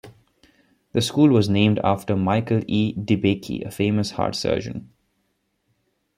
The school was named after Michael E. DeBakey, a famous heart surgeon.